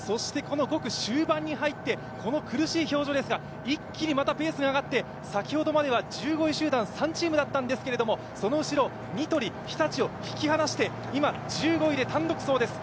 ５区終盤に入ってこの苦しい表情ですが、一気にまたペースが上がって先ほどまでは１５位集団３チームだったんですけど、その後ろ、ニトリ、日立を引き離して１５位で単独走です。